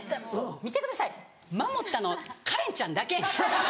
見てください守ったのカレンちゃんだけ。